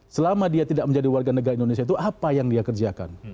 selama dia tidak menjadi warga negara indonesia itu apa yang dia kerjakan